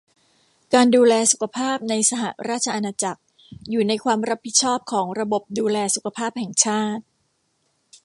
การดูแลสุขภาพในสหราชอาณาจักรอยู่ในความรับผิดชอบของระบบดูแลสุขภาพแห่งชาติ